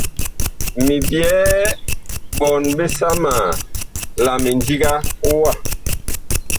Mi byɛɛ ɓɔɔn bisama la mindiga wa.